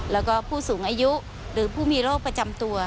แล้วก็ผู้สูงอายุหรือผู้มีโรคประจำตัว